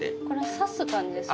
さす感じですか？